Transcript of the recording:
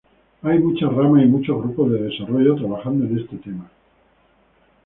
Hay muchas ramas y muchos grupos de desarrollo trabajando en este tema.